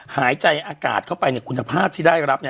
หายใจอากาศเข้าไปคุณภาพที่ได้รับ